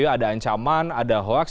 ada ancaman ada hoaks